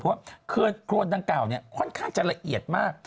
เพราะว่าโครนทั้งเก่าค่อนข้างจะละเอียดมาก